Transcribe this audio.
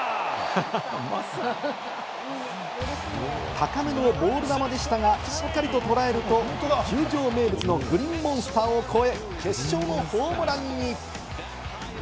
高めのボール球でしたが、しっかりと捉えると、球場名物のグリーンモンスターを越え、決勝のホームランに。